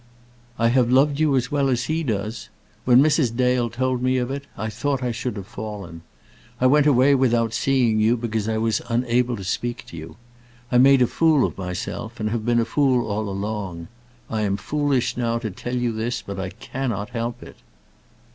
I have loved you as well as he does. When Mrs. Dale told me of it, I thought I should have fallen. I went away without seeing you because I was unable to speak to you. I made a fool of myself, and have been a fool all along. I am foolish now to tell you this, but I cannot help it."